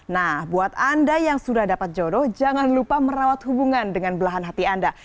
nah buat anda yang sudah dapat jodoh jangan lupa merawat hubungan dengan belahan hati anda